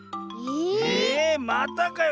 え⁉またかよ。